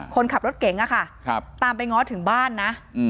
คนขับรถเก๋งอะค่ะตามไปง้อถึงบ้านนะ